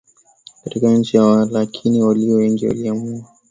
katika nchi yao Walakini walio wengi waliamua